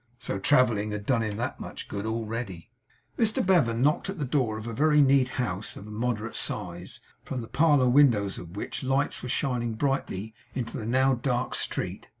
So travelling had done him that much good, already. Mr Bevan knocked at the door of a very neat house of moderate size, from the parlour windows of which, lights were shining brightly into the now dark street.